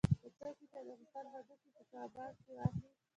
که څوک وي چې د افغانستان هډوکي په کباړ کې واخلي.